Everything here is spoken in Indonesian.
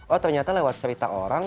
oh ternyata lewat cerita